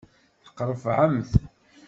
Teqqrefεemt.